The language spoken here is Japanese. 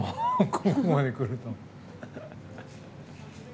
ここまでくると。